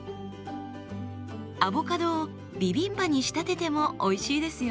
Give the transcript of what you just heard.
アボカドをビビンバに仕立ててもおいしいですよ。